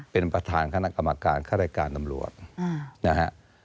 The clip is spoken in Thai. เป็นประธานคณะกรรมการค่ารายการตำรวจนะฮะ